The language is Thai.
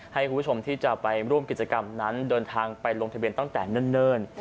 ให้คุณผู้ชมที่จะไปร่วมกิจกรรมนั้นเดินทางไปลงทะเบียนตั้งแต่เนิ่น